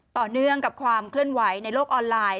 ต่อเนื่องกับความเคลื่อนไหวในโลกออนไลน์